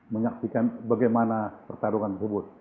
menyaksikan bagaimana pertarungan tersebut